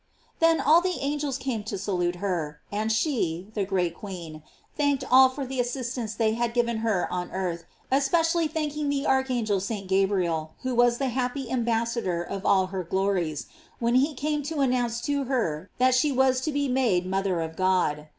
Then all the angels came to salute her, and she, the great queen, thanked all for the assistance they had given her on earth, especially thanking the Archangel St. Gabriel, who was the happy ambassador of all her glories, when he came to announce to her that she was to be made moth er of God.